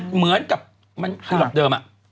เหมือนกับเหล่านั้นเดิม